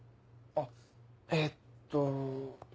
あっえっと。